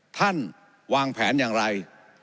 ท่านวางแผนอย่างไร